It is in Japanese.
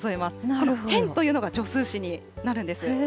この片というのが助数詞になるんです。